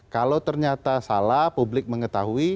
kalau ternyata salah publik mengetahui